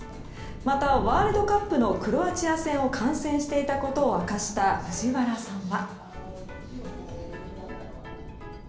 また、ワールドカップのクロアチア戦を観戦していたことを明かした藤原さんは。